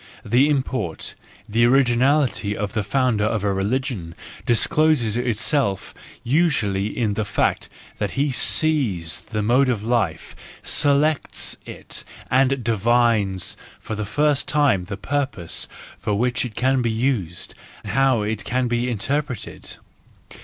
The import, the originality of the founder of a religion, discloses itself usually in the fact that he sees the mode of life, selects it, and divines for the first time the purpose for which it can be used, how it can be interpreted.